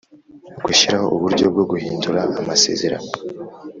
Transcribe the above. Gushyiraho uburyo bwo guhindura amasezerano.